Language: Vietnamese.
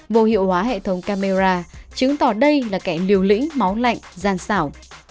vô hiệu hóa hệ thống camera chứng tỏ đây là kẻ liều lĩnh máu lạnh gian xảo